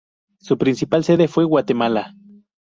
Su principal sede fue Guatemala.